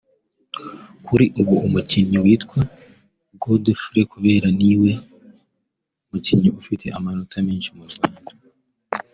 Kuri ubu umukinnyi witwa Godfrey Kabera niwe mukinnyi ufite amanota menshi mu Rwanda